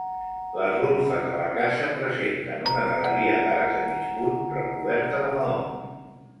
Les golfes de la casa presenten una galeria d'arcs de mig punt recoberta de maons.